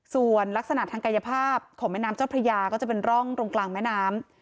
ส่วนลักษณะทางกายภาพของแม่น้ำเจ้าพระยาก็จะเป็นร่องตรงกลางแม่น้ำ